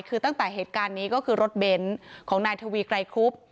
คือตั้งแต่เหตุการณ์นี้ก็คือรถเบนท์ของนายทวีไกรครุบ